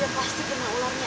dia pasti kena ulamnya ayah